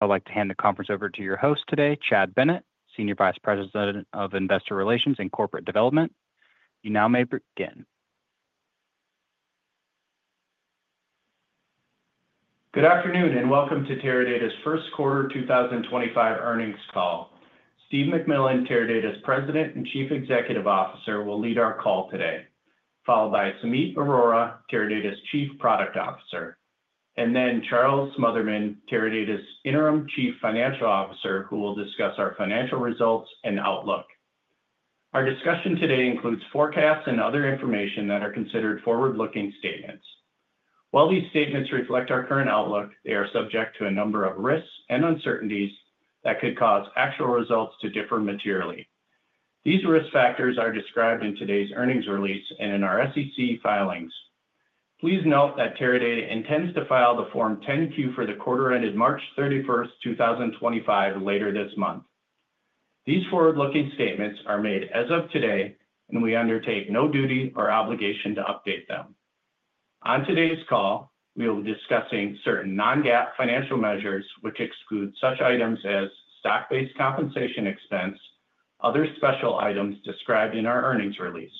I'd like to hand the conference over to your host today, Chad Bennett, Senior Vice President of Investor Relations and Corporate Development. You now may begin. Good afternoon and welcome to Teradata's first quarter 2025 earnings call. Steve McMillan, Teradata's President and Chief Executive Officer, will lead our call today, followed by Sumeet Arora, Teradata's Chief Product Officer, and then Charles Smotherman, Teradata's Interim Chief Financial Officer, who will discuss our financial results and outlook. Our discussion today includes forecasts and other information that are considered forward-looking statements. While these statements reflect our current outlook, they are subject to a number of risks and uncertainties that could cause actual results to differ materially. These risk factors are described in today's earnings release and in our SEC filings. Please note that Teradata intends to file the Form 10Q for the quarter ended March 31st, 2025, later this month. These forward-looking statements are made as of today, and we undertake no duty or obligation to update them. On today's call, we will be discussing certain non-GAAP financial measures, which exclude such items as stock-based compensation expense, other special items described in our earnings release.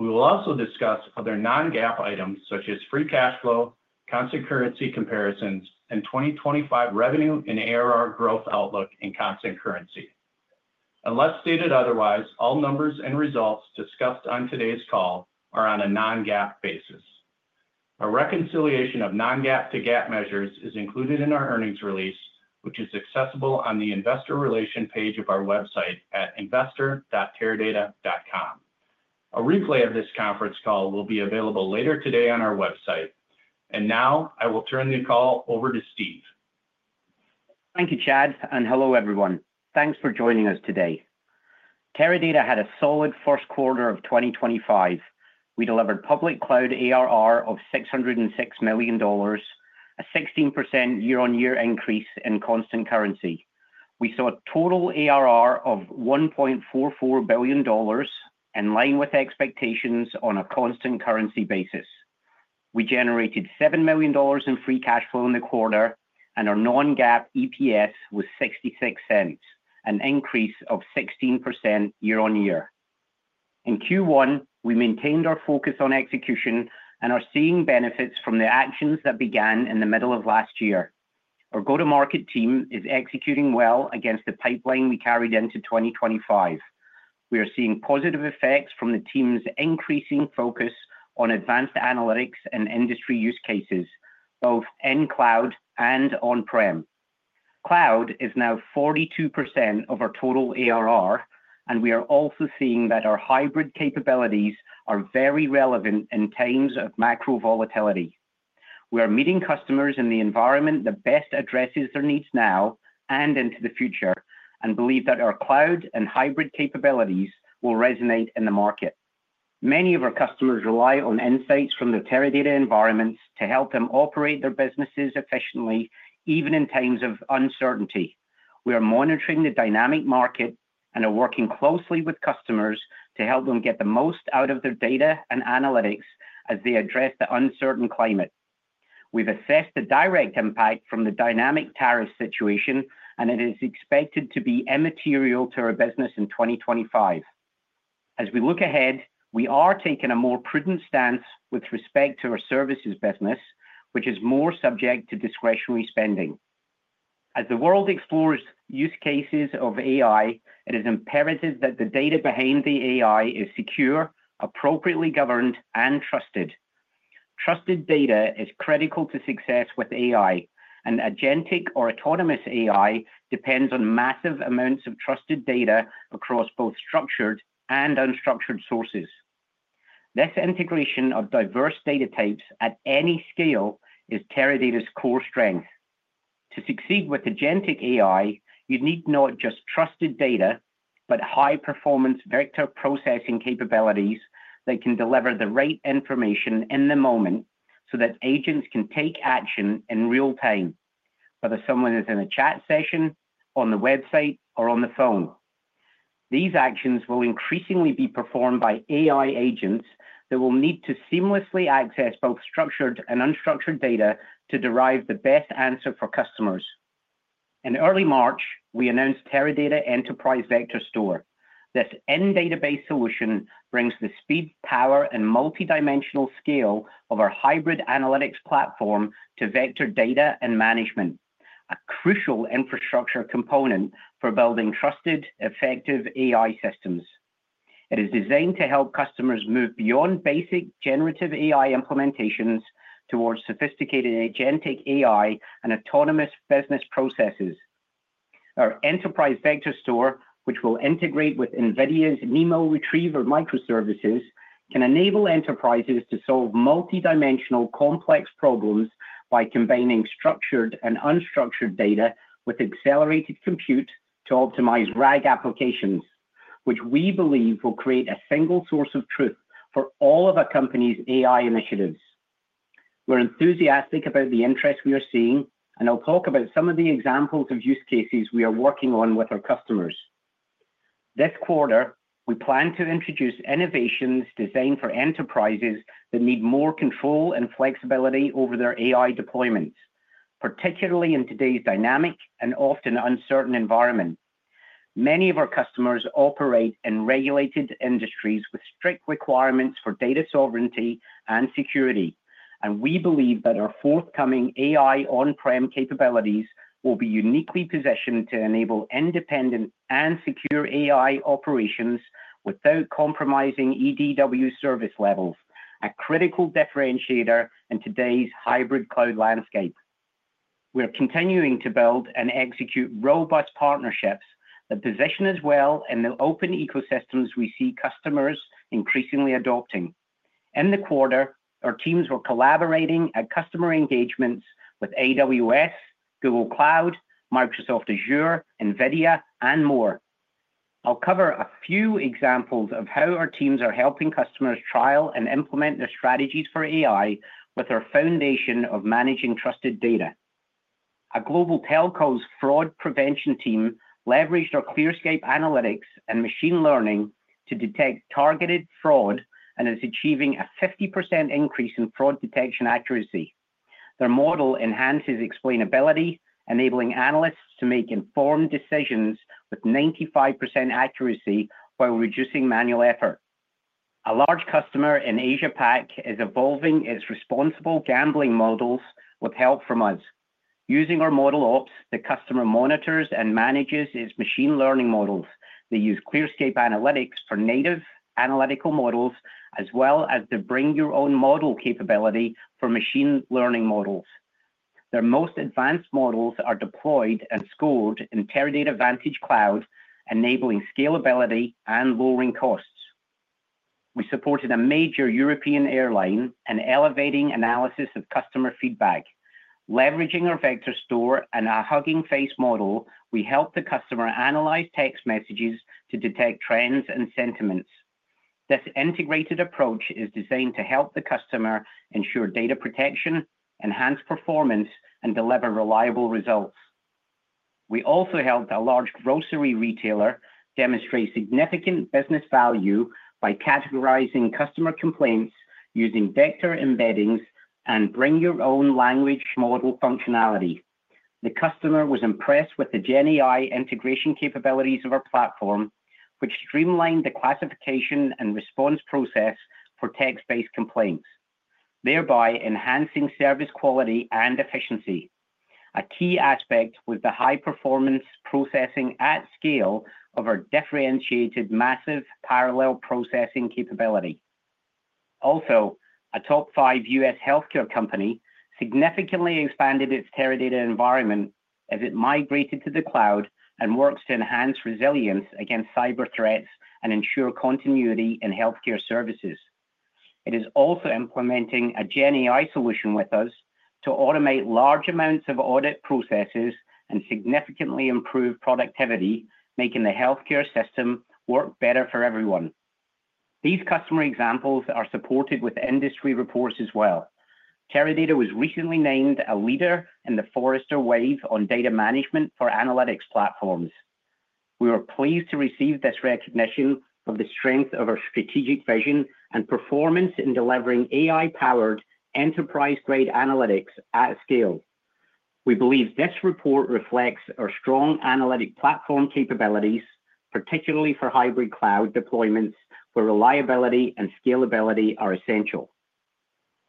We will also discuss other non-GAAP items such as free cash flow, constant currency comparisons, and 2025 revenue and ARR growth outlook in constant currency. Unless stated otherwise, all numbers and results discussed on today's call are on a non-GAAP basis. A reconciliation of non-GAAP to GAAP measures is included in our earnings release, which is accessible on the Investor Relations page of our website at investor.teradata.com. A replay of this conference call will be available later today on our website. I will turn the call over to Steve. Thank you, Chad, and hello everyone. Thanks for joining us today. Teradata had a solid first quarter of 2025. We delivered public cloud ARR of $606 million, a 16% year-on-year increase in constant currency. We saw a total ARR of $1.44 billion, in line with expectations on a constant currency basis. We generated $7 million in free cash flow in the quarter, and our non-GAAP EPS was $0.66, an increase of 16% year-on-year. In Q1, we maintained our focus on execution and are seeing benefits from the actions that began in the middle of last year. Our go-to-market team is executing well against the pipeline we carried into 2025. We are seeing positive effects from the team's increasing focus on advanced analytics and industry use cases, both in cloud and on-prem. Cloud is now 42% of our total ARR, and we are also seeing that our hybrid capabilities are very relevant in times of macro volatility. We are meeting customers in the environment that best addresses their needs now and into the future, and believe that our cloud and hybrid capabilities will resonate in the market. Many of our customers rely on insights from the Teradata environments to help them operate their businesses efficiently, even in times of uncertainty. We are monitoring the dynamic market and are working closely with customers to help them get the most out of their data and analytics as they address the uncertain climate. We have assessed the direct impact from the dynamic tariff situation, and it is expected to be immaterial to our business in 2025. As we look ahead, we are taking a more prudent stance with respect to our services business, which is more subject to discretionary spending. As the world explores use cases of AI, it is imperative that the data behind the AI is secure, appropriately governed, and trusted. Trusted data is critical to success with AI, and agentic or autonomous AI depends on massive amounts of trusted data across both structured and unstructured sources. This integration of diverse data types at any scale is Teradata's core strength. To succeed with agentic AI, you need not just trusted data, but high-performance vector processing capabilities that can deliver the right information in the moment so that agents can take action in real time, whether someone is in a chat session, on the website, or on the phone. These actions will increasingly be performed by AI agents that will need to seamlessly access both structured and unstructured data to derive the best answer for customers. In early March, we announced Teradata Enterprise Vector Store. This end-database solution brings the speed, power, and multidimensional scale of our hybrid analytics platform to vector data and management, a crucial infrastructure component for building trusted, effective AI systems. It is designed to help customers move beyond basic generative AI implementations towards sophisticated agentic AI and autonomous business processes. Our Enterprise Vector Store, which will integrate with NVIDIA's NeMo Retriever microservices, can enable enterprises to solve multidimensional complex problems by combining structured and unstructured data with accelerated compute to optimize RAG applications, which we believe will create a single source of truth for all of our company's AI initiatives. We're enthusiastic about the interest we are seeing, and I'll talk about some of the examples of use cases we are working on with our customers. This quarter, we plan to introduce innovations designed for enterprises that need more control and flexibility over their AI deployments, particularly in today's dynamic and often uncertain environment. Many of our customers operate in regulated industries with strict requirements for data sovereignty and security, and we believe that our forthcoming AI on-prem capabilities will be uniquely positioned to enable independent and secure AI operations without compromising EDW service levels, a critical differentiator in today's hybrid cloud landscape. We're continuing to build and execute robust partnerships that position us well in the open ecosystems we see customers increasingly adopting. In the quarter, our teams were collaborating at customer engagements with AWS, Google Cloud, Microsoft Azure, NVIDIA, and more. I'll cover a few examples of how our teams are helping customers trial and implement their strategies for AI with our foundation of managing trusted data. Our Global Telcos Fraud Prevention team leveraged our ClearScape Analytics and machine learning to detect targeted fraud and is achieving a 50% increase in fraud detection accuracy. Their model enhances explainability, enabling analysts to make informed decisions with 95% accuracy while reducing manual effort. A large customer in Asia-Pacific is evolving its responsible gambling models with help from us. Using our Model Ops, the customer monitors and manages its machine learning models. They use ClearScape Analytics for native analytical models, as well as the Bring Your Own Model capability for machine learning models. Their most advanced models are deployed and scored in Teradata VantageCloud, enabling scalability and lowering costs. We supported a major European airline in elevating analysis of customer feedback. Leveraging our vector store and our Hugging Face model, we help the customer analyze text messages to detect trends and sentiments. This integrated approach is designed to help the customer ensure data protection, enhance performance, and deliver reliable results. We also helped a large grocery retailer demonstrate significant business value by categorizing customer complaints using vector embeddings and bring-your-own-language model functionality. The customer was impressed with the GenAI integration capabilities of our platform, which streamlined the classification and response process for text-based complaints, thereby enhancing service quality and efficiency. A key aspect was the high-performance processing at scale of our differentiated massively parallel processing capability. Also, a top five U.S. healthcare company significantly expanded its Teradata environment as it migrated to the cloud and works to enhance resilience against cyber threats and ensure continuity in healthcare services. It is also implementing a GenAI solution with us to automate large amounts of audit processes and significantly improve productivity, making the healthcare system work better for everyone. These customer examples are supported with industry reports as well. Teradata was recently named a leader in the Forrester Wave on data management for analytics platforms. We were pleased to receive this recognition of the strength of our strategic vision and performance in delivering AI-powered enterprise-grade analytics at scale. We believe this report reflects our strong analytic platform capabilities, particularly for hybrid cloud deployments, where reliability and scalability are essential.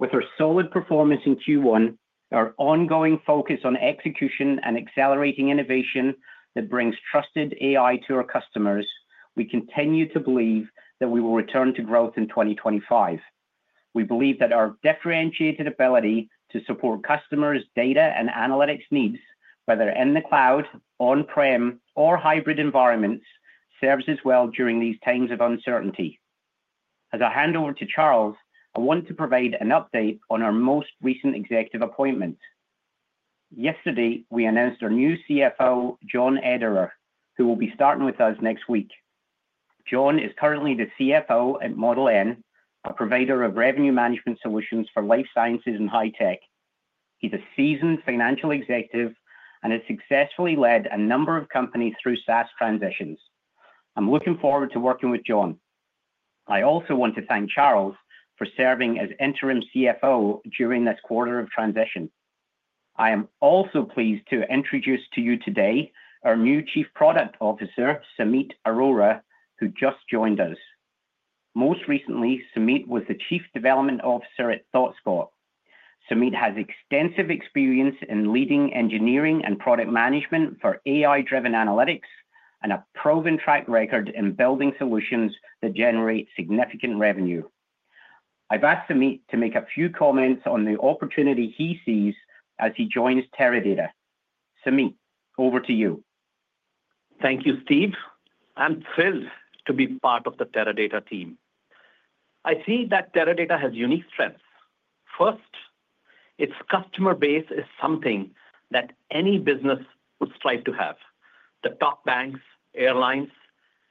With our solid performance in Q1, our ongoing focus on execution and accelerating innovation that brings trusted AI to our customers, we continue to believe that we will return to growth in 2025. We believe that our differentiated ability to support customers' data and analytics needs, whether in the cloud, on-prem, or hybrid environments, serves us well during these times of uncertainty. As I hand over to Charles, I want to provide an update on our most recent executive appointment. Yesterday, we announced our new CFO, John Ederer, who will be starting with us next week. John is currently the CFO at Model N, a provider of revenue management solutions for life sciences and high tech. He's a seasoned financial executive and has successfully led a number of companies through SaaS transitions. I'm looking forward to working with John. I also want to thank Charles for serving as interim CFO during this quarter of transition. I am also pleased to introduce to you today our new Chief Product Officer, Sumeet Arora, who just joined us. Most recently, Sumeet was the Chief Development Officer at ThoughtSpot. Sumeet has extensive experience in leading engineering and product management for AI-driven analytics and a proven track record in building solutions that generate significant revenue. I've asked Sumeet to make a few comments on the opportunity he sees as he joins Teradata. Sumeet, over to you. Thank you, Steve. I'm thrilled to be part of the Teradata team. I see that Teradata has unique strengths. First, its customer base is something that any business would strive to have. The top banks, airlines,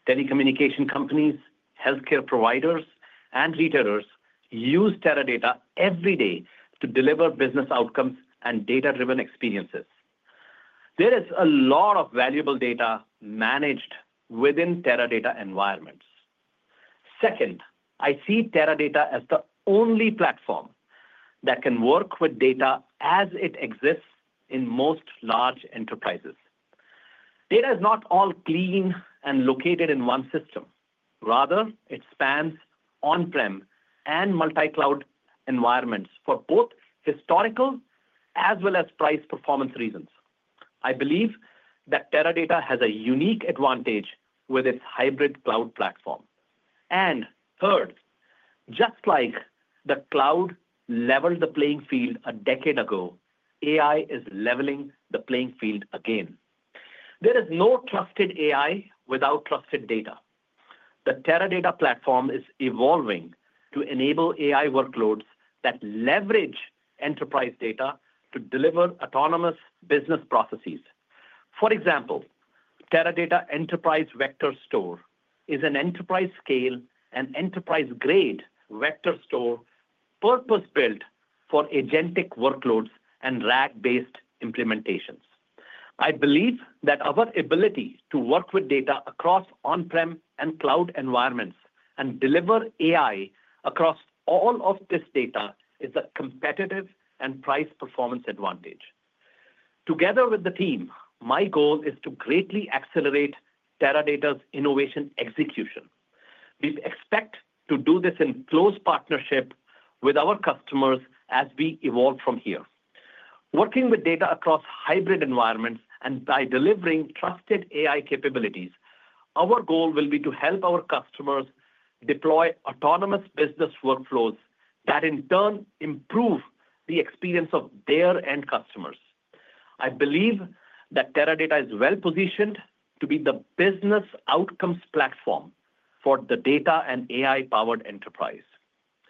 telecommunication companies, healthcare providers, and retailers use Teradata every day to deliver business outcomes and data-driven experiences. There is a lot of valuable data managed within Teradata environments. Second, I see Teradata as the only platform that can work with data as it exists in most large enterprises. Data is not all clean and located in one system. Rather, it spans on-prem and multi-cloud environments for both historical as well as price performance reasons. I believe that Teradata has a unique advantage with its hybrid cloud platform. Third, just like the cloud leveled the playing field a decade ago, AI is leveling the playing field again. There is no trusted AI without trusted data. The Teradata platform is evolving to enable AI workloads that leverage enterprise data to deliver autonomous business processes. For example, Teradata Enterprise Vector Store is an enterprise-scale and enterprise-grade vector store purpose-built for agentic workloads and RAG-based implementations. I believe that our ability to work with data across on-prem and cloud environments and deliver AI across all of this data is a competitive and price performance advantage. Together with the team, my goal is to greatly accelerate Teradata's innovation execution. We expect to do this in close partnership with our customers as we evolve from here. Working with data across hybrid environments and by delivering trusted AI capabilities, our goal will be to help our customers deploy autonomous business workflows that, in turn, improve the experience of their end customers. I believe that Teradata is well positioned to be the business outcomes platform for the data and AI-powered enterprise.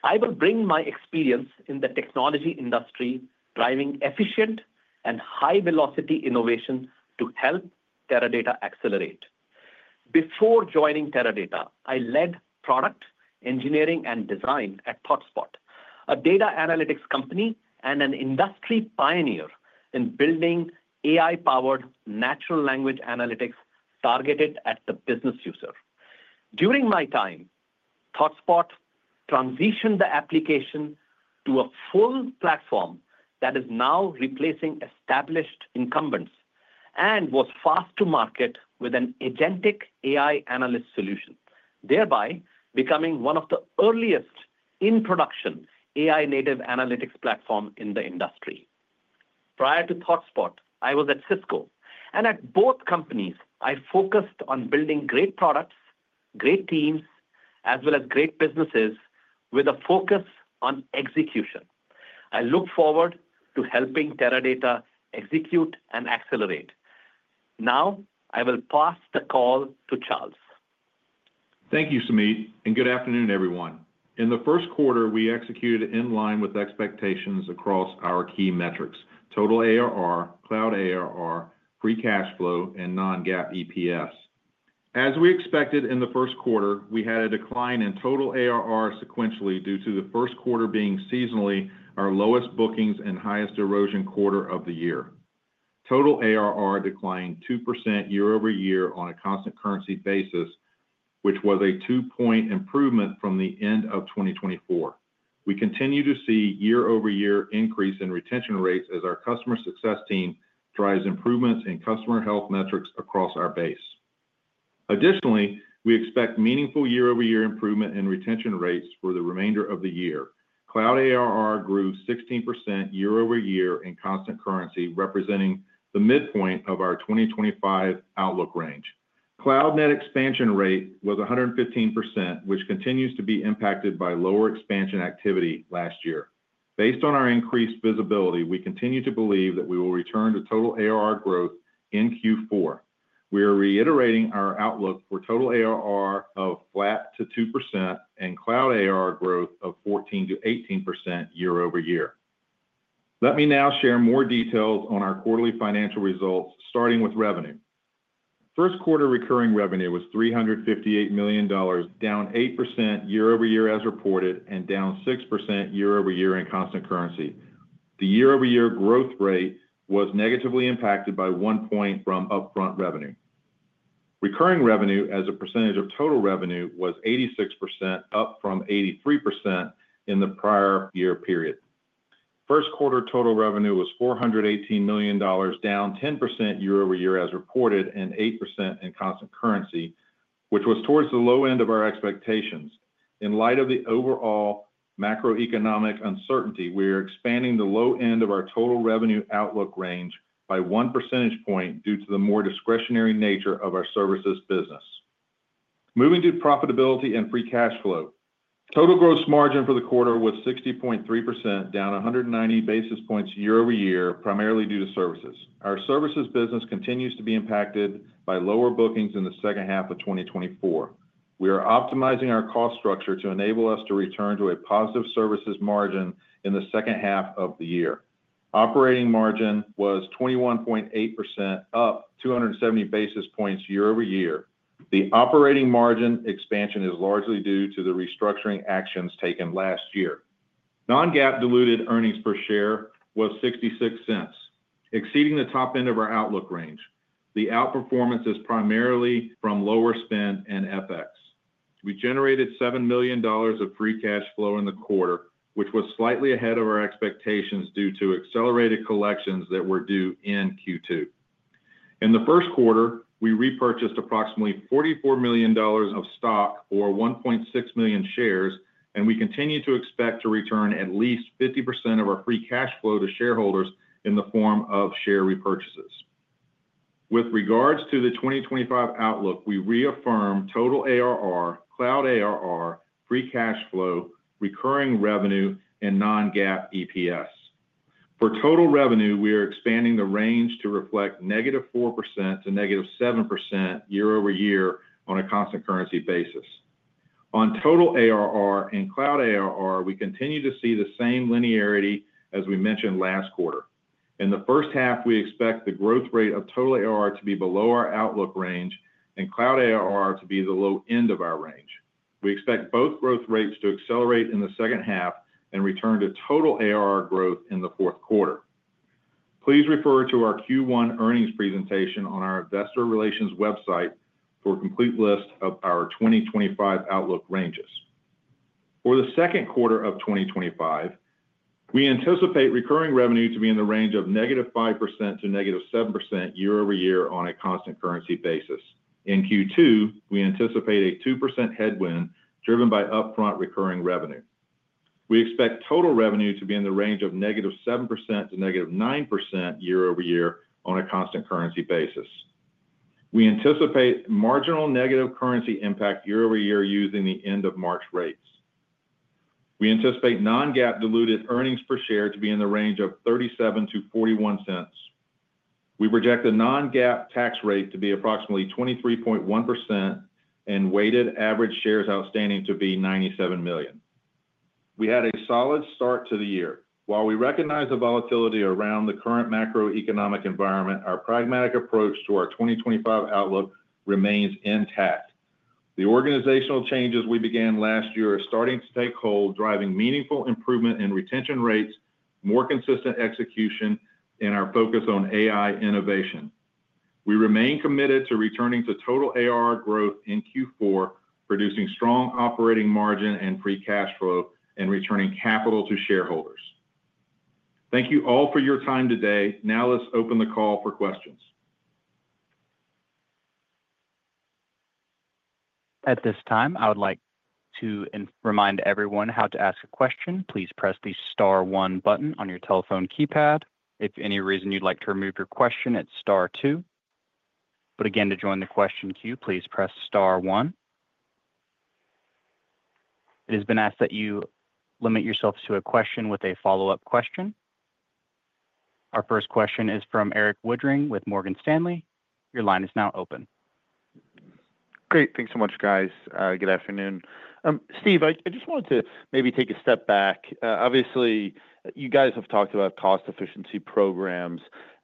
I will bring my experience in the technology industry, driving efficient and high-velocity innovation to help Teradata accelerate. Before joining Teradata, I led product engineering and design at ThoughtSpot, a data analytics company and an industry pioneer in building AI-powered natural language analytics targeted at the business user. During my time, ThoughtSpot transitioned the application to a full platform that is now replacing established incumbents and was fast to market with an agentic AI analyst solution, thereby becoming one of the earliest in-production AI-native analytics platforms in the industry. Prior to ThoughtSpot, I was at Cisco, and at both companies, I focused on building great products, great teams, as well as great businesses with a focus on execution. I look forward to helping Teradata execute and accelerate. Now, I will pass the call to Charles. Thank you, Sumeet, and good afternoon, everyone. In the first quarter, we executed in line with expectations across our key metrics: total ARR, cloud ARR, free cash flow, and non-GAAP EPS. As we expected in the first quarter, we had a decline in total ARR sequentially due to the first quarter being seasonally our lowest bookings and highest erosion quarter of the year. Total ARR declined 2% year over year on a constant currency basis, which was a two-point improvement from the end of 2024. We continue to see year-over-year increase in retention rates as our customer success team drives improvements in customer health metrics across our base. Additionally, we expect meaningful year-over-year improvement in retention rates for the remainder of the year. Cloud ARR grew 16% year over year in constant currency, representing the midpoint of our 2025 outlook range. CloudNet expansion rate was 115%, which continues to be impacted by lower expansion activity last year. Based on our increased visibility, we continue to believe that we will return to total ARR growth in Q4. We are reiterating our outlook for total ARR of flat to 2% and cloud ARR growth of 14%-18% year over year. Let me now share more details on our quarterly financial results, starting with revenue. First quarter recurring revenue was $358 million, down 8% year over year as reported and down 6% year over year in constant currency. The year-over-year growth rate was negatively impacted by one point from upfront revenue. Recurring revenue as a percentage of total revenue was 86%, up from 83% in the prior year period. First quarter total revenue was $418 million, down 10% year over year as reported and 8% in constant currency, which was towards the low end of our expectations. In light of the overall macroeconomic uncertainty, we are expanding the low end of our total revenue outlook range by one percentage point due to the more discretionary nature of our services business. Moving to profitability and free cash flow, total gross margin for the quarter was 60.3%, down 190 basis points year-over-year, primarily due to services. Our services business continues to be impacted by lower bookings in the second half of 2024. We are optimizing our cost structure to enable us to return to a positive services margin in the second half of the year. Operating margin was 21.8%, up 270 basis points year-over-year. The operating margin expansion is largely due to the restructuring actions taken last year. Non-GAAP diluted earnings per share was $0.66, exceeding the top end of our outlook range. The outperformance is primarily from lower spend and FX. We generated $7 million of free cash flow in the quarter, which was slightly ahead of our expectations due to accelerated collections that were due in Q2. In the first quarter, we repurchased approximately $44 million of stock or 1.6 million shares, and we continue to expect to return at least 50% of our free cash flow to shareholders in the form of share repurchases. With regards to the 2025 outlook, we reaffirm total ARR, cloud ARR, free cash flow, recurring revenue, and non-GAAP EPS. For total revenue, we are expanding the range to reflect -4% to -7% year over year on a constant currency basis. On total ARR and cloud ARR, we continue to see the same linearity as we mentioned last quarter. In the first half, we expect the growth rate of total ARR to be below our outlook range and cloud ARR to be the low end of our range. We expect both growth rates to accelerate in the second half and return to total ARR growth in the fourth quarter. Please refer to our Q1 earnings presentation on our investor relations website for a complete list of our 2025 outlook ranges. For the second quarter of 2025, we anticipate recurring revenue to be in the range of -5% to -7% year over year on a constant currency basis. In Q2, we anticipate a 2% headwind driven by upfront recurring revenue. We expect total revenue to be in the range of -7% to -9% year over year on a constant currency basis. We anticipate marginal negative currency impact year over year using the end-of-March rates. We anticipate non-GAAP diluted earnings per share to be in the range of $0.37-$0.41. We project the non-GAAP tax rate to be approximately 23.1% and weighted average shares outstanding to be 97 million. We had a solid start to the year. While we recognize the volatility around the current macroeconomic environment, our pragmatic approach to our 2025 outlook remains intact. The organizational changes we began last year are starting to take hold, driving meaningful improvement in retention rates, more consistent execution, and our focus on AI innovation. We remain committed to returning to total ARR growth in Q4, producing strong operating margin and free cash flow, and returning capital to shareholders. Thank you all for your time today. Now, let's open the call for questions. At this time, I would like to remind everyone how to ask a question. Please press the star one button on your telephone keypad. If for any reason you'd like to remove your question, it's star two. To join the question queue, please press star one. It has been asked that you limit yourself to a question with a follow-up question. Our first question is from Erik Woodring with Morgan Stanley. Your line is now open. Great. Thanks so much, guys. Good afternoon. Steve, I just wanted to maybe take a step back. Obviously, you guys have talked about cost efficiency programs.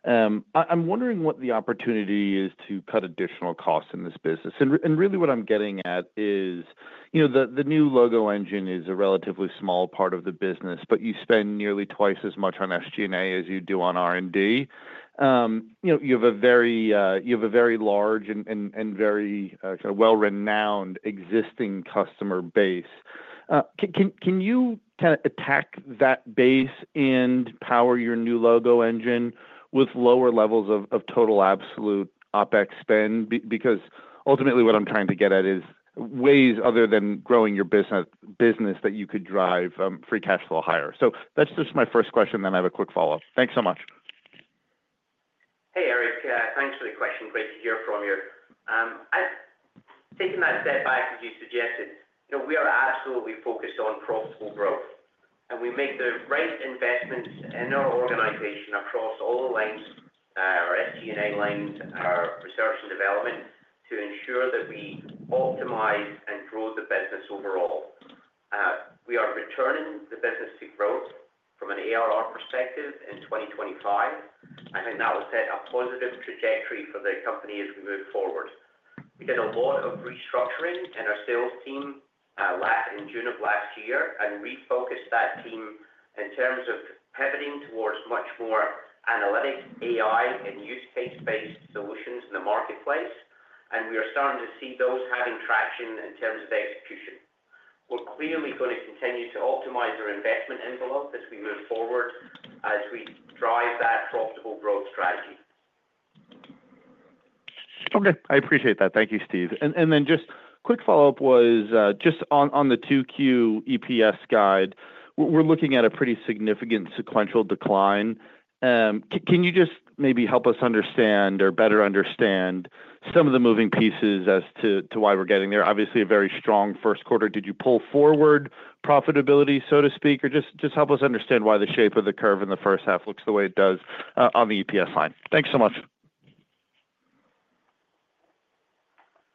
I'm wondering what the opportunity is to cut additional costs in this business. Really, what I'm getting at is the new logo engine is a relatively small part of the business, but you spend nearly twice as much on SG&A as you do on R&D. You have a very large and very well-renowned existing customer base. Can you kind of attack that base and power your new logo engine with lower levels of total absolute OpEx spend? Ultimately, what I'm trying to get at is ways other than growing your business that you could drive free cash flow higher. That's just my first question, then I have a quick follow-up. Thanks so much. Hey, Erik. Thanks for the question. Great to hear from you. Taking that step back, as you suggested, we are absolutely focused on profitable growth. We make the right investments in our organization across all the lines, our SG&A lines, our research and development, to ensure that we optimize and grow the business overall. We are returning the business to growth from an ARR perspective in 2025. I think that will set a positive trajectory for the company as we move forward. We did a lot of restructuring in our sales team in June of last year and refocused that team in terms of pivoting towards much more analytic AI and use case-based solutions in the marketplace. We are starting to see those having traction in terms of execution. We're clearly going to continue to optimize our investment envelope as we move forward as we drive that profitable growth strategy. Okay. I appreciate that. Thank you, Steve. Just quick follow-up was just on the 2Q EPS guide, we're looking at a pretty significant sequential decline. Can you just maybe help us understand or better understand some of the moving pieces as to why we're getting there? Obviously, a very strong first quarter. Did you pull forward profitability, so to speak, or just help us understand why the shape of the curve in the first half looks the way it does on the EPS line? Thanks so much.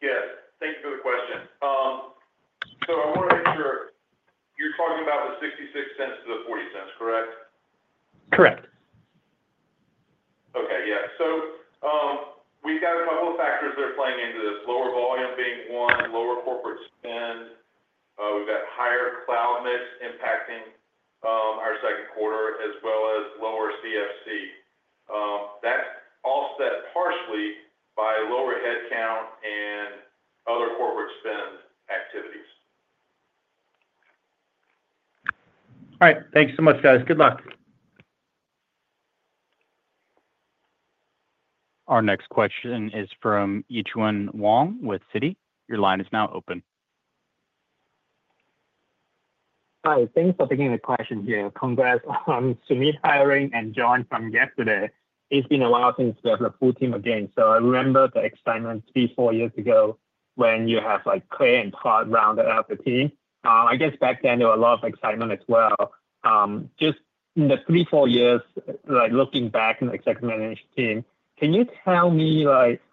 Yes. Thank you for the question. I want to make sure you're talking about the $0.66 to the $0.40, correct? Correct. Okay. Yeah. So we've got a couple of factors that are playing into this. Lower volume being one, lower corporate spend. We've got higher cloud mix impacting our second quarter, as well as lower CFC. That's offset partially by lower headcount and other corporate spend activities. All right. Thanks so much, guys. Good luck. Our next question is from Yitchuin Wong with Citi. Your line is now open. Hi. Thanks for taking the question here. Congrats on Sumeet hiring and John from yesterday. It's been a while since we had a full team again. I remember the excitement three, four years ago when you had Claire and Todd rounded up the team. I guess back then, there was a lot of excitement as well. Just in the three, four years, looking back on the executive management team, can you tell me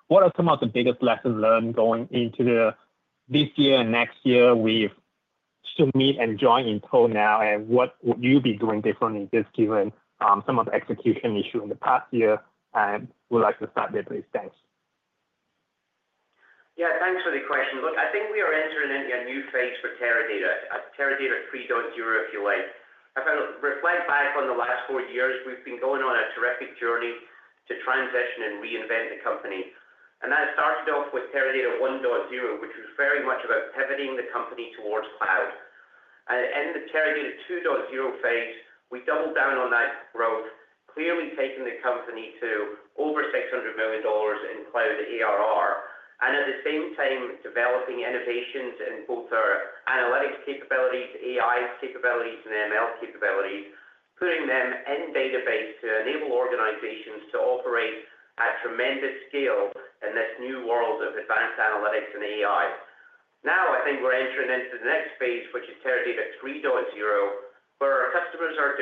what are some of the biggest lessons learned going into this year and next year with Sumeet and John in tow now, and what would you be doing differently just given some of the execution issues in the past year? We'd like to start there, please. Thanks. Yeah. Thanks for the question. Look, I think we are entering a new phase for Teradata, Teradata 3.0, if you like. If I reflect back on the last four years, we've been going on a terrific journey to transition and reinvent the company. That started off with Teradata 1.0, which was very much about pivoting the company towards cloud. In the Teradata 2.0 phase, we doubled down on that growth, clearly taking the company to over $600 million in cloud ARR. At the same time, developing innovations in both our analytics capabilities, AI capabilities, and ML capabilities, putting them in database to enable organizations to operate at tremendous scale in this new world of advanced analytics and AI. Now, I think we're entering into the next phase, which is Teradata 3.0, where our customers are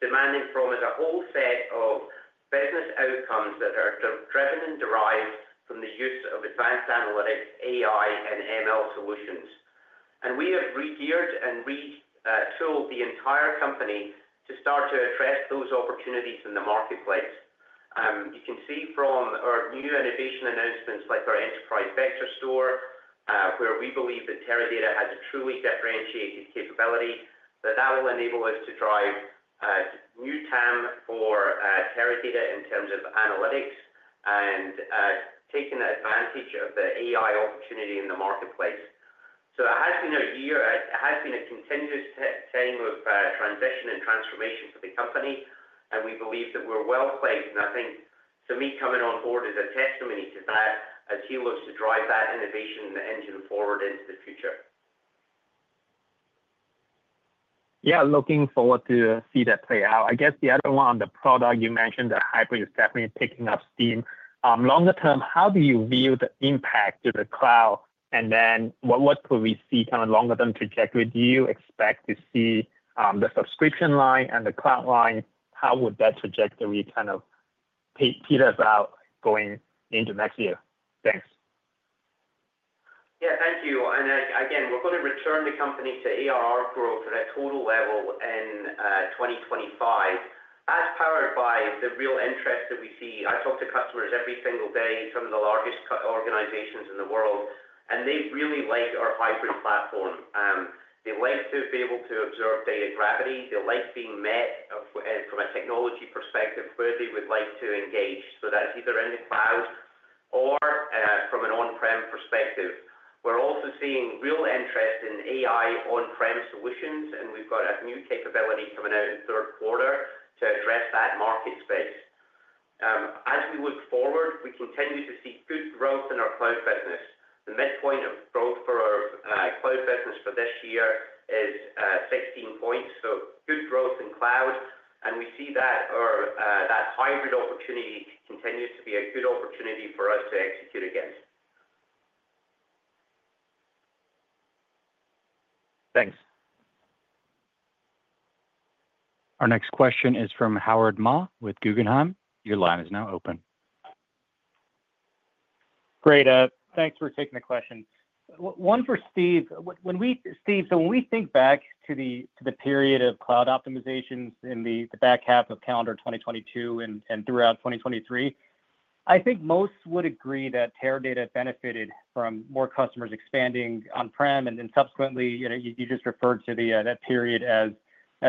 demanding from us a whole set of business outcomes that are driven and derived from the use of advanced analytics, AI, and ML solutions. We have regeared and retooled the entire company to start to address those opportunities in the marketplace. You can see from our new innovation announcements, like our Enterprise Vector Store, where we believe that Teradata has a truly differentiated capability, that that will enable us to drive new time for Teradata in terms of analytics and taking advantage of the AI opportunity in the marketplace. It has been a year; it has been a continuous time of transition and transformation for the company. We believe that we're well placed. I think Sumeet coming on board is a testimony to that as he looks to drive that innovation engine forward into the future. Yeah. Looking forward to see that play out. I guess the other one on the product you mentioned, the hybrid is definitely picking up steam. Longer term, how do you view the impact to the cloud? What could we see kind of longer-term trajectory? Do you expect to see the subscription line and the cloud line? How would that trajectory kind of pete us out going into next year? Thanks. Yeah. Thank you. Again, we're going to return the company to ARR growth at a total level in 2025. That's powered by the real interest that we see. I talk to customers every single day from the largest organizations in the world. They really like our hybrid platform. They like to be able to observe data gravity. They like being met from a technology perspective where they would like to engage. That's either in the cloud or from an on-prem perspective. We're also seeing real interest in AI on-prem solutions. We've got a new capability coming out in third quarter to address that market space. As we look forward, we continue to see good growth in our cloud business. The midpoint of growth for our cloud business for this year is 16 points. Good growth in cloud. We see that hybrid opportunity continues to be a good opportunity for us to execute against. Thanks. Our next question is from Howard Ma with Guggenheim. Your line is now open. Great. Thanks for taking the question. One for Steve. When we think back to the period of cloud optimizations in the back half of calendar 2022 and throughout 2023, I think most would agree that Teradata benefited from more customers expanding on-prem. Subsequently, you just referred to that period as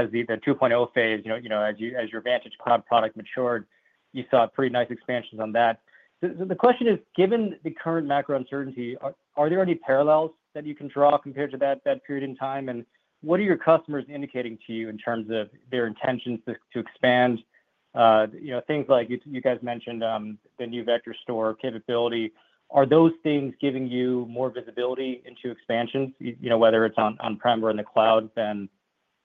the 2.0 phase. As your VantageCloud product matured, you saw pretty nice expansions on that. The question is, given the current macro uncertainty, are there any parallels that you can draw compared to that period in time? What are your customers indicating to you in terms of their intentions to expand? Things like you guys mentioned the new Vector Store capability. Are those things giving you more visibility into expansions, whether it is on-prem or in the cloud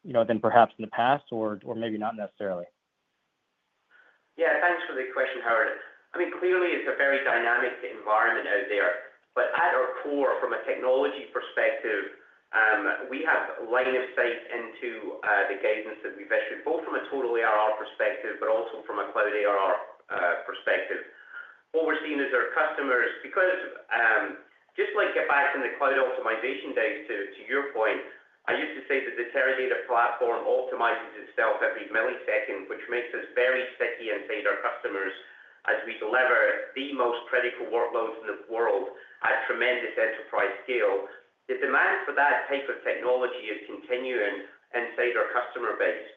than perhaps in the past, or maybe not necessarily? Yeah. Thanks for the question, Howard. I mean, clearly, it's a very dynamic environment out there. At our core, from a technology perspective, we have line of sight into the guidance that we've issued, both from a total ARR perspective but also from a cloud ARR perspective. What we're seeing is our customers, because just like back in the cloud optimization days, to your point, I used to say that the Teradata platform optimizes itself every millisecond, which makes us very sticky inside our customers as we deliver the most critical workloads in the world at tremendous enterprise scale. The demand for that type of technology is continuing inside our customer base.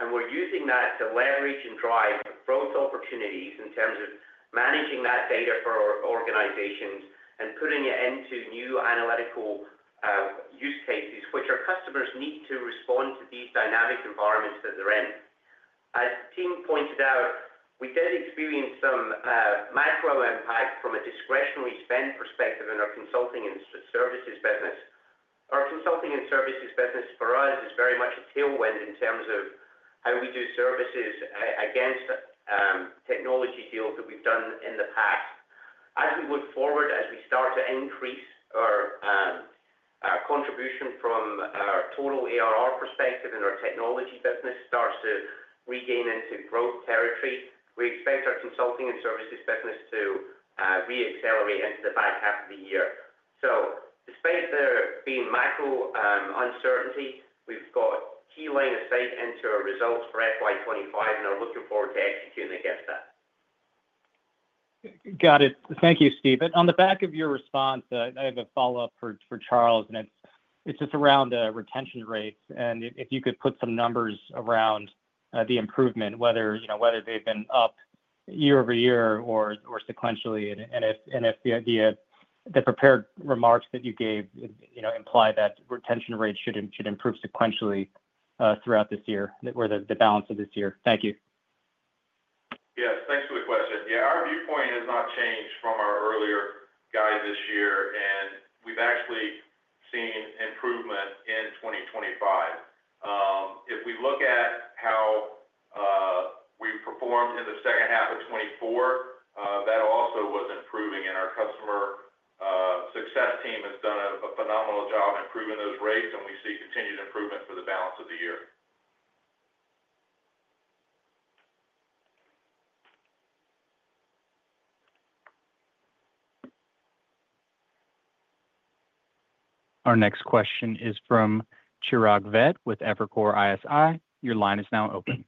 We are using that to leverage and drive growth opportunities in terms of managing that data for our organizations and putting it into new analytical use cases, which our customers need to respond to these dynamic environments that they are in. As the team pointed out, we did experience some macro impact from a discretionary spend perspective in our consulting and services business. Our consulting and services business for us is very much a tailwind in terms of how we do services against technology deals that we have done in the past. As we look forward, as we start to increase our contribution from our total ARR perspective and our technology business starts to regain into growth territory, we expect our consulting and services business to reaccelerate into the back half of the year. Despite there being macro uncertainty, we've got key line of sight into our results for FY25 and are looking forward to executing against that. Got it. Thank you, Steve. On the back of your response, I have a follow-up for Charles. It is just around retention rates. If you could put some numbers around the improvement, whether they have been up year over year or sequentially. If the prepared remarks that you gave imply that retention rate should improve sequentially throughout this year or the balance of this year. Thank you. Yes. Thanks for the question. Yeah. Our viewpoint has not changed from our earlier guide this year. We have actually seen improvement in 2025. If we look at how we performed in the second half of 2024, that also was improving. Our customer success team has done a phenomenal job improving those rates. We see continued improvement for the balance of the year. Our next question is from Chirag Ved with Evercore ISI. Your line is now open.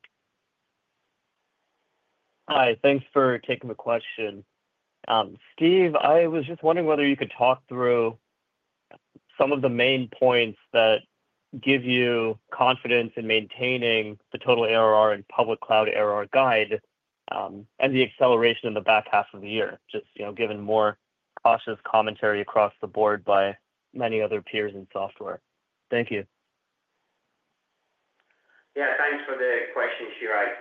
Hi. Thanks for taking the question. Steve, I was just wondering whether you could talk through some of the main points that give you confidence in maintaining the total ARR and public cloud ARR guide and the acceleration in the back half of the year, just given more cautious commentary across the board by many other peers in software. Thank you. Yeah. Thanks for the question, Chirag.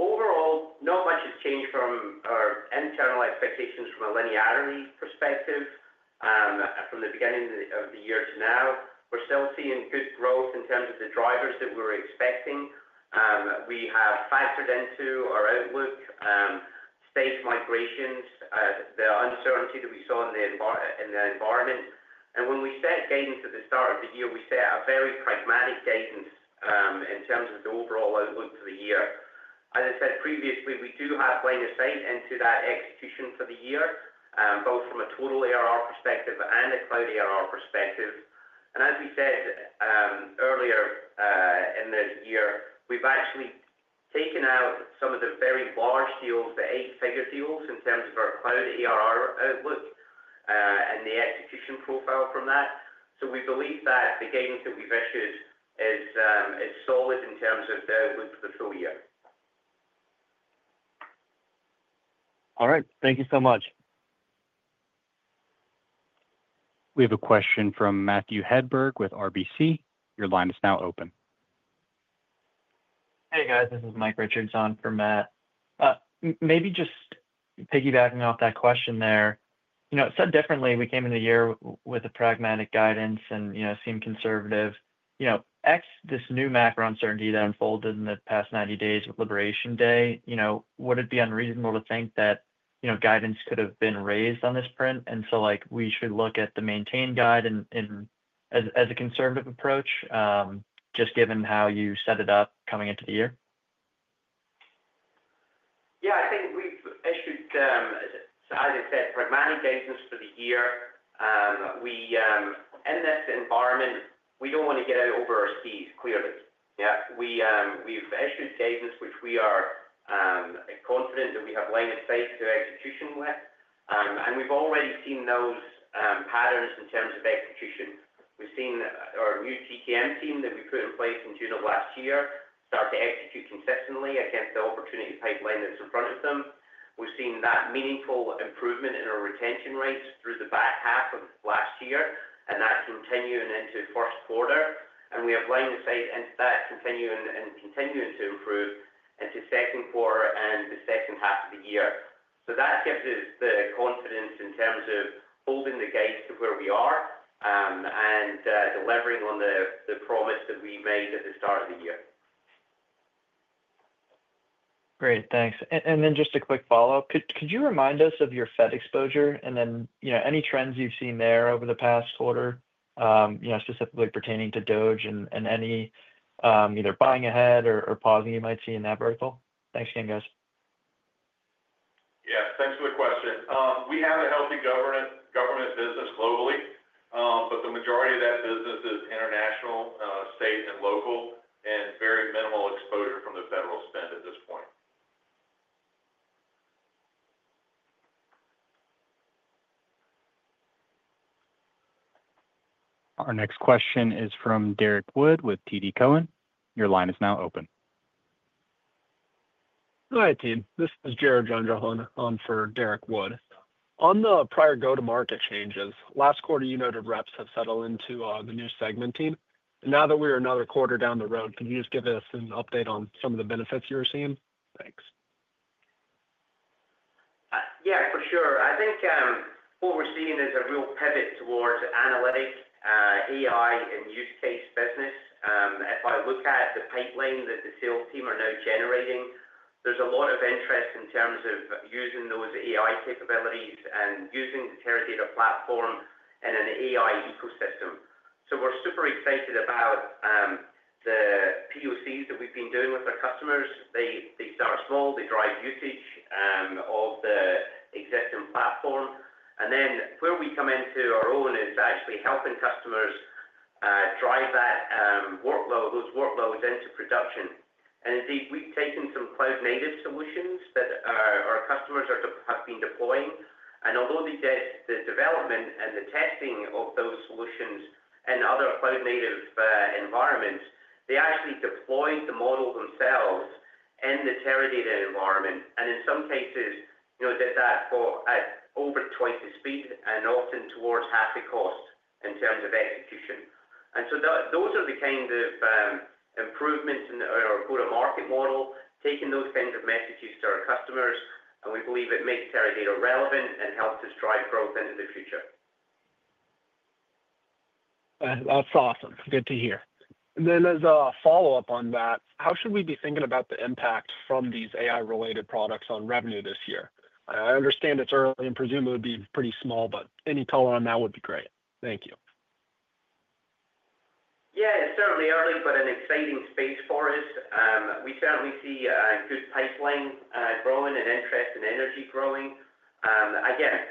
Overall, not much has changed from our internal expectations from a linearity perspective from the beginning of the year to now. We're still seeing good growth in terms of the drivers that we were expecting. We have factored into our outlook stage migrations, the uncertainty that we saw in the environment. When we set guidance at the start of the year, we set a very pragmatic guidance in terms of the overall outlook for the year. As I said previously, we do have line of sight into that execution for the year, both from a total ARR perspective and a cloud ARR perspective. As we said earlier in the year, we've actually taken out some of the very large deals, the eight-figure deals, in terms of our cloud ARR outlook and the execution profile from that. We believe that the guidance that we've issued is solid in terms of the outlook for the full year. All right. Thank you so much. We have a question from Matthew Hedberg with RBC. Your line is now open. Hey, guys. This is [Mike Richardson] from Matt. Maybe just piggybacking off that question there. Said differently, we came into the year with a pragmatic guidance and seemed conservative. X, this new macro uncertainty that unfolded in the past 90 days with Liberation Day, would it be unreasonable to think that guidance could have been raised on this print? We should look at the maintain guide as a conservative approach, just given how you set it up coming into the year? Yeah. I think we've issued, as I said, pragmatic guidance for the year. In this environment, we don't want to get out over our skis, clearly. Yeah. We've issued guidance which we are confident that we have line of sight to execution with. And we've already seen those patterns in terms of execution. We've seen our new TTM team that we put in place in June of last year start to execute consistently against the opportunity pipeline that's in front of them. We've seen that meaningful improvement in our retention rates through the back half of last year, and that continuing into first quarter. And we have line of sight into that continuing and continuing to improve into second quarter and the second half of the year. That gives us the confidence in terms of holding the guidance to where we are and delivering on the promise that we made at the start of the year. Great. Thanks. And then just a quick follow-up. Could you remind us of your Fed exposure and then any trends you've seen there over the past quarter, specifically pertaining to DoD and any either buying ahead or pausing you might see in that vertical? Thanks again, guys. Yeah. Thanks for the question. We have a healthy government business globally, but the majority of that business is international, state, and local, and very minimal exposure from the federal spend at this point. Our next question is from Derrick Wood with TD Cowen. Your line is now open. Hi, team. This is Jared Jungjohann for Derrick Wood. On the prior go-to-market changes, last quarter, you noted reps have settled into the new segment team. Now that we're another quarter down the road, could you just give us an update on some of the benefits you were seeing? Thanks. Yeah. For sure. I think what we're seeing is a real pivot towards analytic, AI, and use case business. If I look at the pipeline that the sales team are now generating, there's a lot of interest in terms of using those AI capabilities and using the Teradata platform in an AI ecosystem. We are super excited about the POCs that we've been doing with our customers. They start small. They drive usage of the existing platform. Where we come into our own is actually helping customers drive those workloads into production. Indeed, we've taken some cloud-native solutions that our customers have been deploying. Although they did the development and the testing of those solutions in other cloud-native environments, they actually deployed the model themselves in the Teradata environment. In some cases, did that at over twice the speed and often towards half the cost in terms of execution. Those are the kind of improvements in our go-to-market model, taking those kinds of messages to our customers. We believe it makes Teradata relevant and helps us drive growth into the future. That's awesome. Good to hear. As a follow-up on that, how should we be thinking about the impact from these AI-related products on revenue this year? I understand it's early and presumably would be pretty small, but any color on that would be great. Thank you. Yeah. It's certainly early, but an exciting space for us. We certainly see a good pipeline growing and interest in energy growing. Again,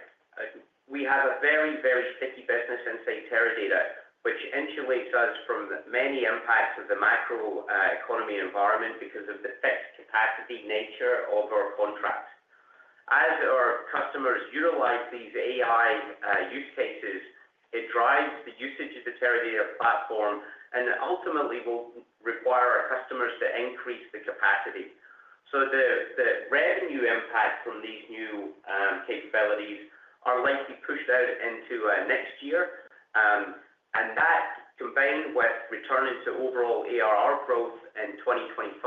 we have a very, very sticky business inside Teradata, which insulates us from many impacts of the macro economy environment because of the fixed capacity nature of our contracts. As our customers utilize these AI use cases, it drives the usage of the Teradata platform and ultimately will require our customers to increase the capacity. The revenue impact from these new capabilities is likely pushed out into next year. That, combined with returning to overall ARR growth in 2025,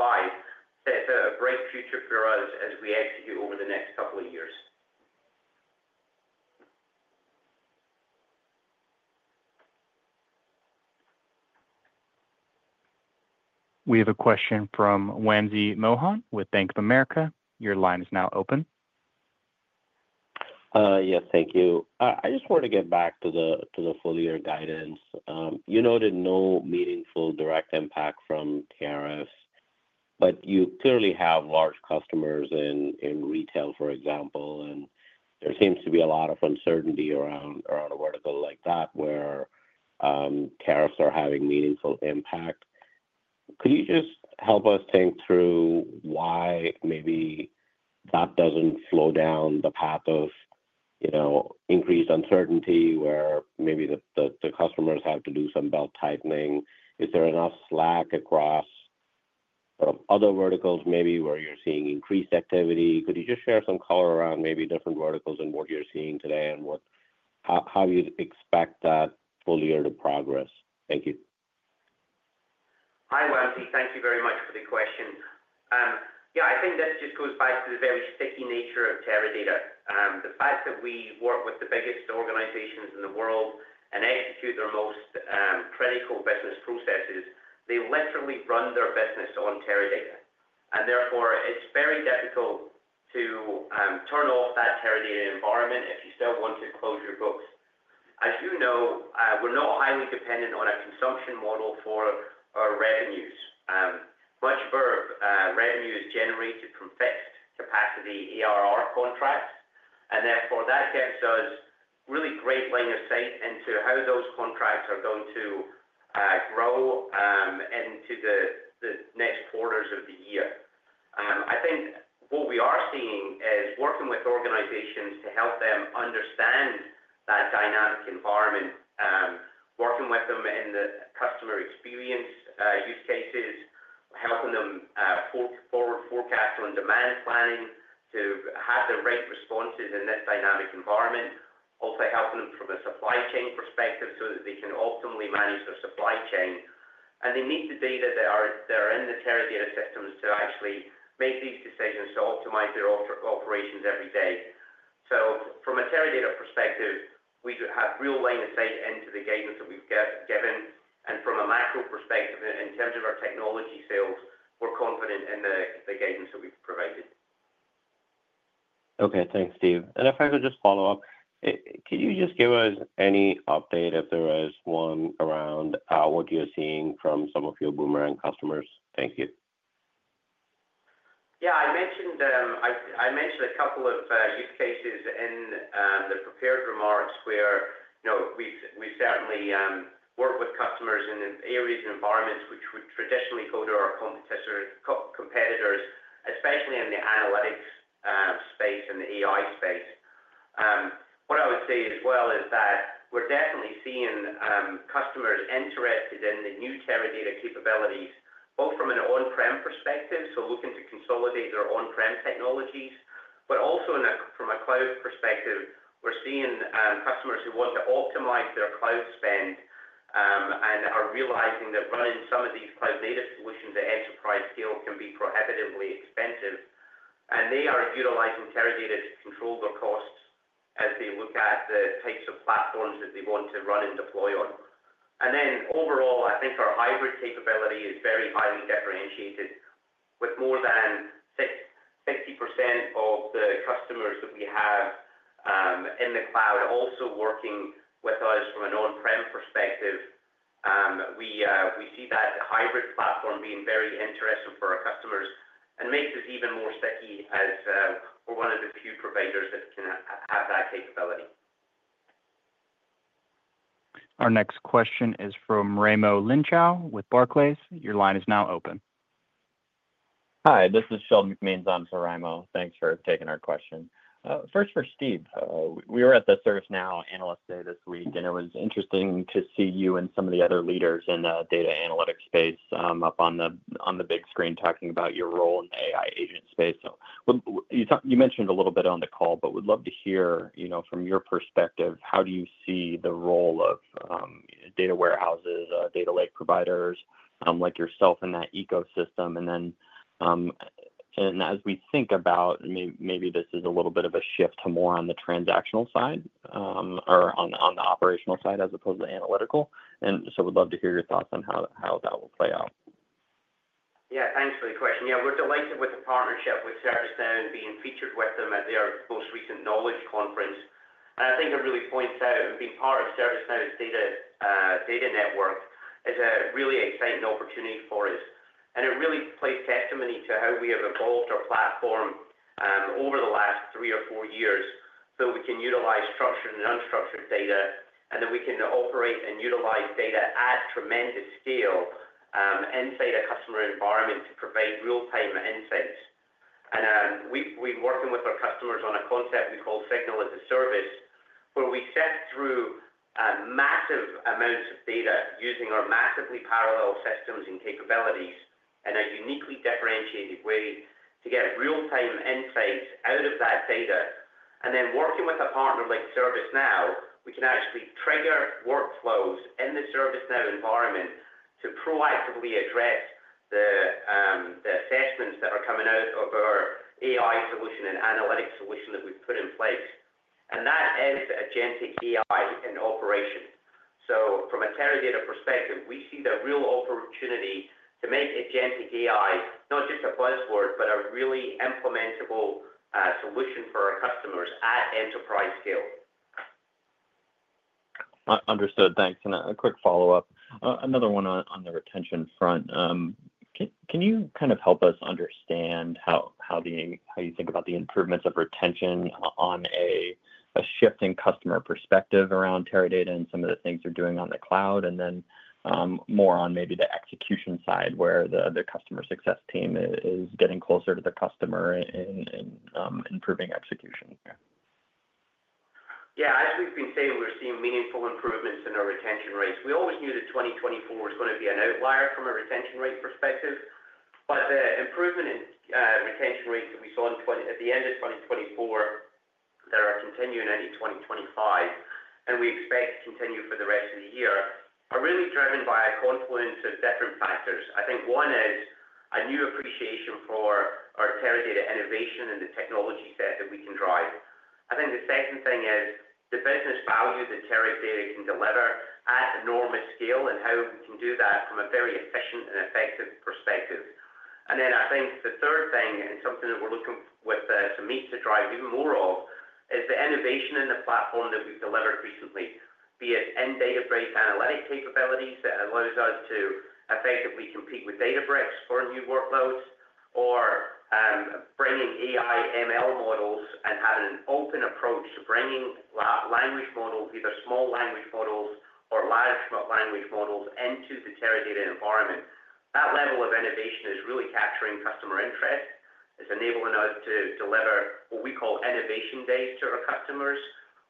sets a bright future for us as we execute over the next couple of years. We have a question from Wamsi Mohan with Bank of America. Your line is now open. Yes. Thank you. I just wanted to get back to the full-year guidance. You noted no meaningful direct impact from tariffs, but you clearly have large customers in retail, for example. There seems to be a lot of uncertainty around a vertical like that where tariffs are having meaningful impact. Could you just help us think through why maybe that does not slow down the path of increased uncertainty where maybe the customers have to do some belt tightening? Is there enough slack across other verticals maybe where you are seeing increased activity? Could you just share some color around maybe different verticals and what you are seeing today and how you expect that full-year to progress? Thank you. Hi, Wamsi. Thank you very much for the question. Yeah. I think this just goes back to the very sticky nature of Teradata. The fact that we work with the biggest organizations in the world and execute their most critical business processes, they literally run their business on Teradata. Therefore, it's very difficult to turn off that Teradata environment if you still want to close your books. As you know, we're not highly dependent on a consumption model for our revenues. Much of our revenue is generated from fixed capacity ARR contracts. Therefore, that gives us really great line of sight into how those contracts are going to grow into the next quarters of the year. I think what we are seeing is working with organizations to help them understand that dynamic environment, working with them in the customer experience use cases, helping them forward forecast on demand planning to have the right responses in this dynamic environment, also helping them from a supply chain perspective so that they can ultimately manage their supply chain. They need the data that are in the Teradata systems to actually make these decisions to optimize their operations every day. From a Teradata perspective, we have real line of sight into the guidance that we've given. From a macro perspective, in terms of our technology sales, we're confident in the guidance that we've provided. Okay. Thanks, Steve. If I could just follow up, could you just give us any update, if there is one, around what you're seeing from some of your boomerang customers? Thank you. Yeah. I mentioned a couple of use cases in the prepared remarks where we certainly work with customers in areas and environments which would traditionally go to our competitors, especially in the analytics space and the AI space. What I would say as well is that we're definitely seeing customers interested in the new Teradata capabilities, both from an on-prem perspective, so looking to consolidate their on-prem technologies, but also from a cloud perspective, we're seeing customers who want to optimize their cloud spend and are realizing that running some of these cloud-native solutions at enterprise scale can be prohibitively expensive. They are utilizing Teradata to control their costs as they look at the types of platforms that they want to run and deploy on. Overall, I think our hybrid capability is very highly differentiated. With more than 60% of the customers that we have in the cloud also working with us from an on-prem perspective, we see that hybrid platform being very interesting for our customers and makes us even more sticky as we are one of the few providers that can have that capability. Our next question is from Raimo Lenschow with Barclays. Your line is now open. Hi. This is Sheldon McMeans. I'm for Raimo. Thanks for taking our question. First for Steve. We were at the ServiceNow Analyst Day this week, and it was interesting to see you and some of the other leaders in the data analytics space up on the big screen talking about your role in the AI agent space. You mentioned a little bit on the call, but would love to hear from your perspective, how do you see the role of data warehouses, data lake providers like yourself in that ecosystem? As we think about, maybe this is a little bit of a shift to more on the transactional side or on the operational side as opposed to analytical. We'd love to hear your thoughts on how that will play out. Yeah. Thanks for the question. Yeah. We're delighted with the partnership with ServiceNow and being featured with them at their most recent Knowledge conference. I think it really points out being part of ServiceNow's data network is a really exciting opportunity for us. It really plays testimony to how we have evolved our platform over the last three or four years so we can utilize structured and unstructured data, and then we can operate and utilize data at tremendous scale inside a customer environment to provide real-time insights. We've been working with our customers on a concept we call Signal as a Service, where we send through massive amounts of data using our massively parallel systems and capabilities in a uniquely differentiated way to get real-time insights out of that data. Working with a partner like ServiceNow, we can actually trigger workflows in the ServiceNow environment to proactively address the assessments that are coming out of our AI solution and analytics solution that we've put in place. That is agentic AI in operation. From a Teradata perspective, we see the real opportunity to make agentic AI not just a buzzword, but a really implementable solution for our customers at enterprise scale. Understood. Thanks. A quick follow-up. Another one on the retention front. Can you kind of help us understand how you think about the improvements of retention on a shifting customer perspective around Teradata and some of the things they're doing on the cloud, and then more on maybe the execution side where the customer success team is getting closer to the customer and improving execution? Yeah. As we've been saying, we're seeing meaningful improvements in our retention rates. We always knew that 2024 was going to be an outlier from a retention rate perspective. The improvement in retention rates that we saw at the end of 2024 that are continuing into 2025, and we expect to continue for the rest of the year, are really driven by a confluence of different factors. I think one is a new appreciation for our Teradata innovation and the technology set that we can drive. I think the second thing is the business value that Teradata can deliver at enormous scale and how we can do that from a very efficient and effective perspective. I think the third thing and something that we're looking to meet to drive even more of is the innovation in the platform that we've delivered recently, be it in Databricks analytic capabilities that allows us to effectively compete with Databricks for new workloads, or bringing AI/ML models and having an open approach to bringing language models, either small language models or large language models, into the Teradata environment. That level of innovation is really capturing customer interest. It's enabling us to deliver what we call innovation days to our customers,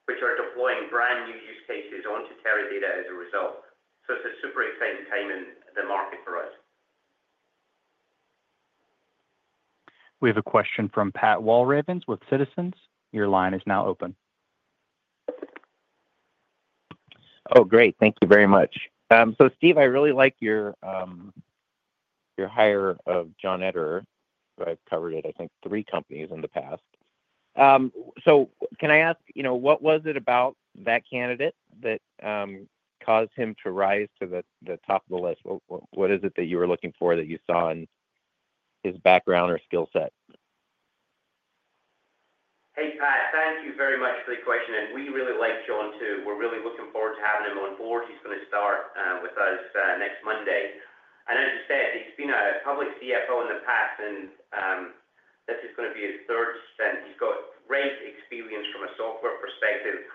which are deploying brand new use cases onto Teradata as a result. It's a super exciting time in the market for us. We have a question from Pat Walravens with Citizens. Your line is now open. Oh, great. Thank you very much. Steve, I really like your hire of John Ederer. I've covered, I think, three companies in the past. Can I ask, what was it about that candidate that caused him to rise to the top of the list? What is it that you were looking for that you saw in his background or skill set? Hey, Pat. Thank you very much for the question. We really like John too. We're really looking forward to having him on board. He's going to start with us next Monday. As you said, he's been a public CFO in the past, and this is going to be his third stint. He's got great experience from a software perspective,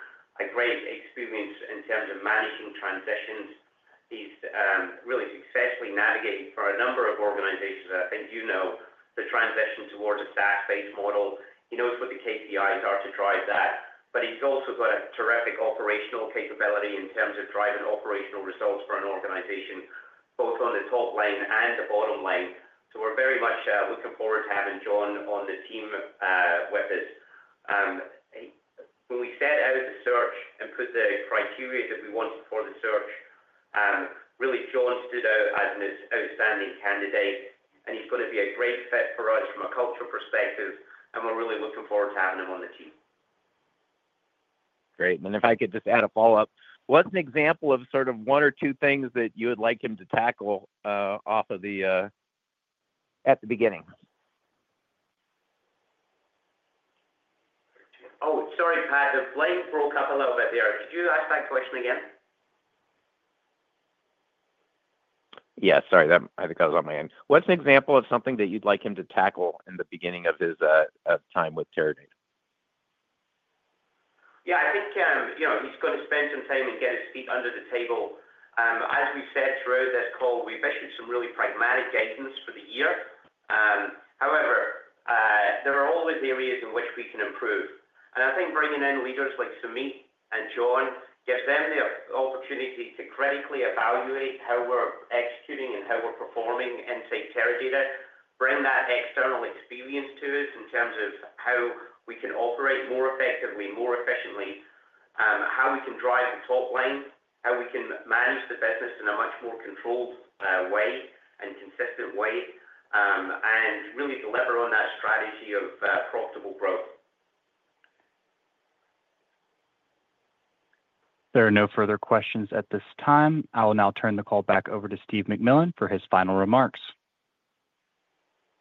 great experience in terms of managing transitions. He's really successfully navigated for a number of organizations, and I think you know the transition towards a SaaS-based model. He knows what the KPIs are to drive that. He's also got a terrific operational capability in terms of driving operational results for an organization, both on the top line and the bottom line. We are very much looking forward to having John on the team with us. When we set out the search and put the criteria that we wanted for the search, really John stood out as an outstanding candidate. He is going to be a great fit for us from a culture perspective, and we are really looking forward to having him on the team. Great. If I could just add a follow-up, what's an example of sort of one or two things that you would like him to tackle off at the beginning? Oh, sorry, Pat. The line broke up a little bit there. Could you ask that question again? Yeah. Sorry. I think that was on my end. What's an example of something that you'd like him to tackle in the beginning of his time with Teradata? Yeah. I think he's going to spend some time and get his feet under the table. As we said throughout this call, we've issued some really pragmatic guidance for the year. However, there are always areas in which we can improve. I think bringing in leaders like Sumeet and John gives them the opportunity to critically evaluate how we're executing and how we're performing inside Teradata, bring that external experience to us in terms of how we can operate more effectively, more efficiently, how we can drive the top line, how we can manage the business in a much more controlled way and consistent way, and really deliver on that strategy of profitable growth. There are no further questions at this time. I'll now turn the call back over to Steve McMillan for his final remarks.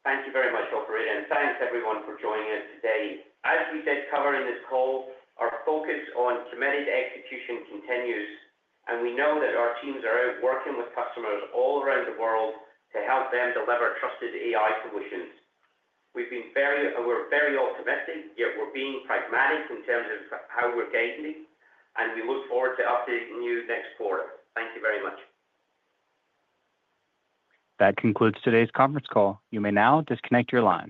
Thank you very much, Dr. Reed, and thanks everyone for joining us today. As we did cover in this call, our focus on committed execution continues, and we know that our teams are out working with customers all around the world to help them deliver trusted AI solutions. We are very optimistic, yet we are being pragmatic in terms of how we are guiding, and we look forward to updating you next quarter. Thank you very much. That concludes today's conference call. You may now disconnect your line.